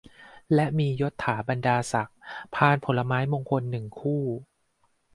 และมียศถาบรรดาศักดิ์ พานผลไม้มงคล หนึ่ง คู่